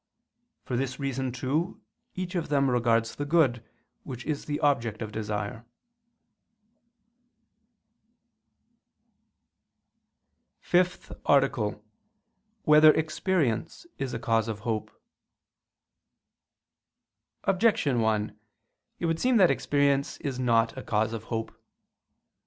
For this reason, too, each of them regards the good, which is the object of desire. ________________________ FIFTH ARTICLE [I II, Q. 40, Art. 5] Whether Experience Is a Cause of Hope? Objection 1: It would seem that experience is not a cause of hope.